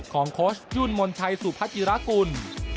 ของโคชด์ยุ่นมนต์ชัยสุพัชิรกุล